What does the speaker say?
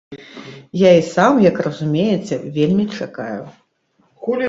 Я і сам, як разумееце, вельмі чакаю.